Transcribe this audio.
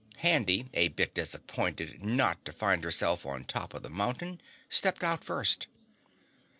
Handy, a bit disappointed not to find herself on top of the mountain, stepped out first.